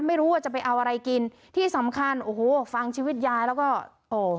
ไม่รู้ว่าจะไปเอาอะไรกินที่สำคัญโอ้โหฟังชีวิตยายแล้วก็โอ้